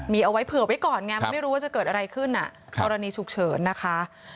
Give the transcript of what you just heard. มีเอาไว้เผื่อไว้ก่อนไงมันไม่รู้ว่าจะเกิดอะไรขึ้นกรณีฉุกเฉินนะคะ